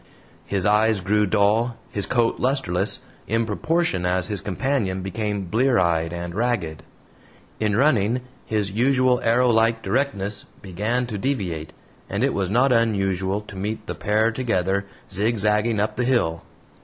His eyes grew dull, his coat lusterless, in proportion as his companion became blear eyed and ragged; in running, his usual arrowlike directness began to deviate, and it was not unusual to meet the pair together, zigzagging up the hill.